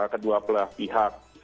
kedua belah pihak